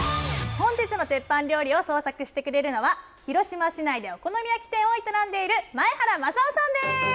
本日のテッパン料理を創作してくれるのは広島市内でお好み焼き店を営んでいる前原正男さんです！